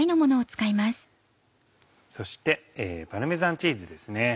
そしてパルメザンチーズですね。